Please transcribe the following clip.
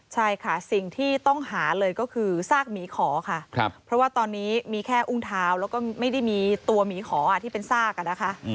ใช่ค่ะสิ่งที่ต้องหาเลยก็คือซากหมีขอค่ะเพราะว่าตอนนี้มีแค่อุ้งเท้าแล้วก็ไม่ได้มีตัวหมีขอที่เป็นซากอะนะคะ